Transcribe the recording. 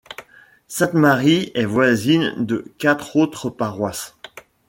Sainte-Marie est voisine de quatre autres paroisses.